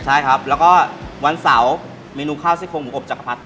ใช่ครับแล้วก็วันเสาร์เมนูข้าวซี่โครงหมูอบจักรพรรดิ